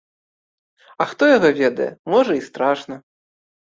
А хто яго ведае, можа, і страшна.